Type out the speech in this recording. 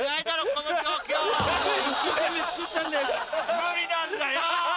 無理なんだよ！